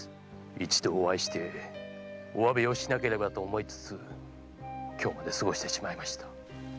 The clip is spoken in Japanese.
一度お会いしてお詫びをしなければと思いつつ今日まで過ごしてしまいました。